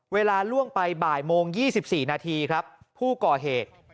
เวลาล่วงไปบ่ายโมง๒๔นาทีครับผู้ก่อเหตุ